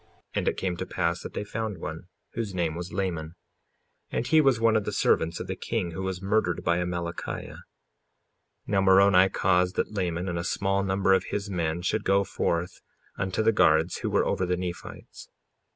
55:5 And it came to pass that they found one, whose name was Laman; and he was one of the servants of the king who was murdered by Amalickiah. 55:6 Now Moroni caused that Laman and a small number of his men should go forth unto the guards who were over the Nephites.